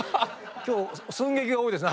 今日寸劇が多いですね。